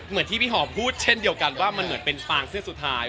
เหมือนที่พี่หอมพูดเช่นเดียวกันว่ามันเหมือนเป็นฟางเสื้อสุดท้าย